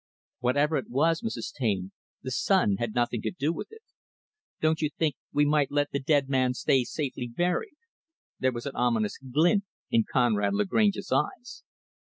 "Whatever it was, Mrs. Taine, the son had nothing to do with it. Don't you think we might let the dead man stay safely buried?" There was an ominous glint in Conrad Lagrange's eyes.